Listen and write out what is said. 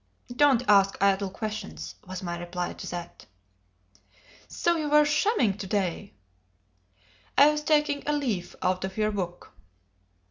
"Don't ask idle questions," was my reply to that. "So you were shamming to day!" "I was taking a leaf out of your book."